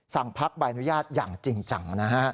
สั่งพักบายอนุญาตอย่างจริงจังนะครับ